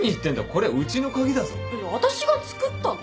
これうちの鍵だぞ。あたしが作ったの！